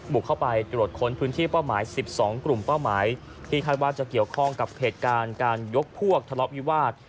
บุกเข้าไปตรวจค้นพื้นที่เป้าหมาย๑๒กลุ่มเป้าหมายที่คาดว่าจะเกี่ยวข้องกับเหตุการณ์การยกพวกทะเลาะวิวาส